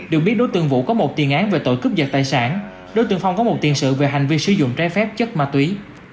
được biết đối tượng vũ có một tiền án về tội cướp giật tài sản đối tượng phong có một tiền sự về hành vi sử dụng trái phép chất ma túy